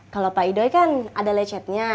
kalau pak idoy kan ada lecetnya